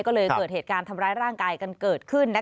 ก็เลยเกิดเหตุการณ์ทำร้ายร่างกายกันเกิดขึ้น